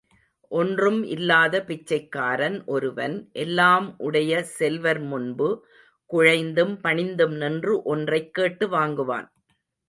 ஒன்றும் இல்லாத பிச்சைக்காரன் ஒருவன் எல்லாம் உடைய செல்வர் முன்பு குழைந்தும் பணிந்தும் நின்று ஒன்றைக் கேட்டு வாங்குவான்.